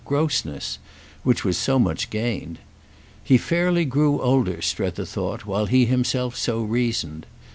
—grossness; which was so much gained. He fairly grew older, Strether thought, while he himself so reasoned.